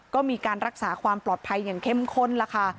ก็มีการรักษาความปลอดภัยอย่างเข้มข้นล่ะค่ะ